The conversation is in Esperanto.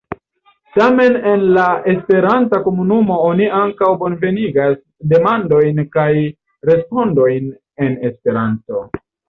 Tamen en la esperanta komunumo oni ankaŭ bonvenigas demandojn kaj respondojn en Esperanto.